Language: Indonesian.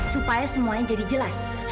supaya semuanya jadi jelas